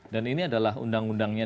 dan ini adalah undang undangnya